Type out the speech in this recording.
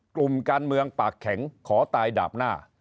กลุ่มการเมืองปากแข็งขอตายดาบหน้า